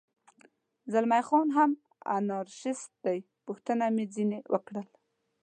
زلمی خان هم انارشیست دی، پوښتنه مې ځنې وکړل.